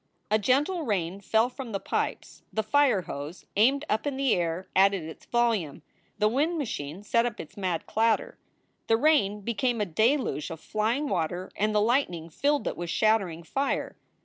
A gentle rain fell from the pipes. The fire hose, aimed up in the air, added its volume. The wind machine set up its mad clatter. The rain became a deluge of flying water and the lightning filled it with shattering fire.